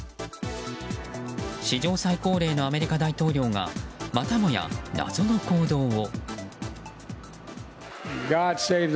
史上最高齢のアメリカ大統領がまたもや謎の行動を。